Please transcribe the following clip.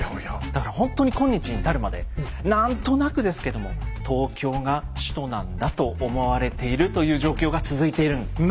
だから本当に今日に至るまでなんとなくですけども東京が首都なんだと思われているという状況が続いているんです。